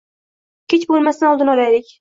Kech bo'lmasdan oldini olaylik.